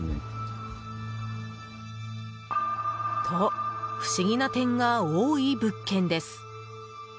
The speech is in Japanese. と、不思議な点が多い物件です。